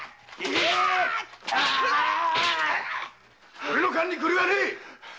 俺の勘に狂いはねえ！